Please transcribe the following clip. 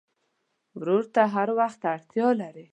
ورور ته هر وخت اړتیا لرې.